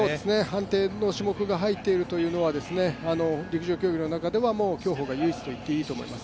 判定の種目が入っているというのは陸上競技の中では競歩が唯一と言っていいと思います。